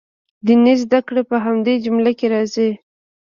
دیني زده کړې په همدې جمله کې راځي.